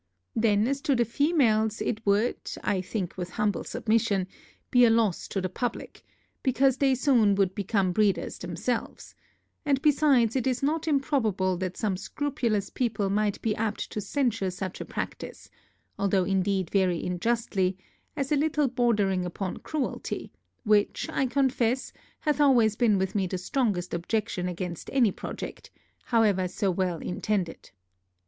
Then as to the females, it would, I think, with humble submission, be a loss to the publick, because they soon would become breeders themselves: and besides, it is not improbable that some scrupulous people might be apt to censure such a practice, (although indeed very unjustly) as a little bordering upon cruelty, which, I confess, hath always been with me the strongest objection against any project, how well soever intended.